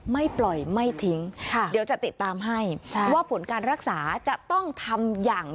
ไม่ปล่อยไม่ทิ้ง